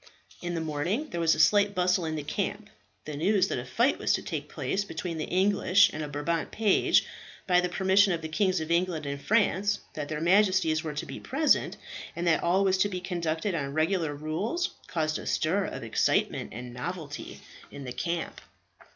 In the morning there was a slight bustle in the camp. The news that a fight was to take place between an English and a Brabant page, by the permission of the Kings of England and France, that their Majesties were to be present, and that all was to be conducted on regular rules, caused a stir of excitement and novelty in the camp.